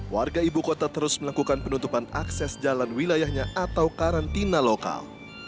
warga ibu kota terus melakukan penutupan akses jalan wilayahnya atau karantina lokal